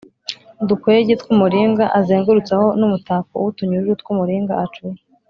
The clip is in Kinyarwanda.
dukwege tw umuringa azengurutsaho n umutako w utunyururu tw umuringa Acura